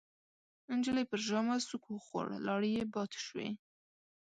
نجلۍ پر ژامه سوک وخوړ، لاړې يې باد شوې.